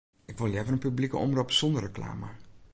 Ik wol leaver in publike omrop sonder reklame.